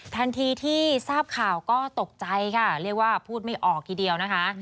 ทันทีที่ทราบข่าวก็ตกใจค่ะเรียกว่าพูดไม่ออกทีเดียวนะคะ